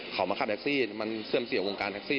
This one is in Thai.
เขามาขับแท็กซี่มันเสื่อมเสียวงการแท็กซี่